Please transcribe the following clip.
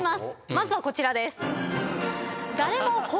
まずはこちらです。